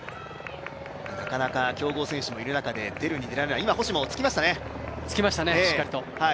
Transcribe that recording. なかなか強豪選手もいる中で出るに出られない今、星もつきましたね、しっかりと。